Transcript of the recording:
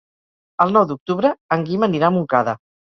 El nou d'octubre en Guim anirà a Montcada.